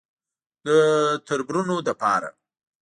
_د تربرونو له پاره.